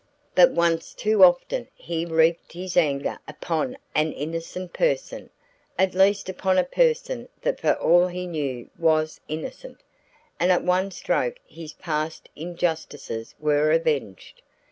But once too often he wreaked his anger upon an innocent person at least upon a person that for all he knew was innocent and at one stroke his past injustices were avenged.